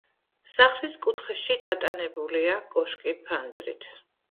სახლის კუთხეში დატანებულია კოშკი ფანჯრით.